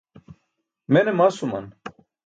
Mene masuman?